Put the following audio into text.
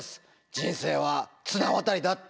人生は綱渡りだ」って。